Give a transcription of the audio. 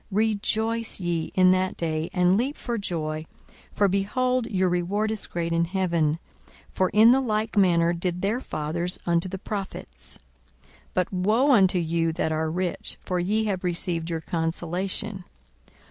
42:006:023 Rejoice ye in that day, and leap for joy: for, behold, your reward is great in heaven: for in the like manner did their fathers unto the prophets. 42:006:024 But woe unto you that are rich! for ye have received your consolation.